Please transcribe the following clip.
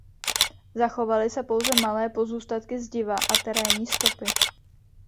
Zachovaly se pouze malé pozůstatky zdiva a terénní stopy.